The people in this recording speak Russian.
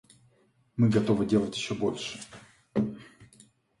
Мы готовы делать еще больше.